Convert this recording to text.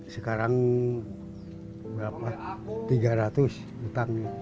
sekarang tiga ratus hutang